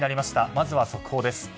まずは速報です。